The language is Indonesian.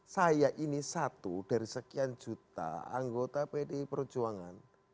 saya ini satu dari sekian juta anggota pdi perjuangan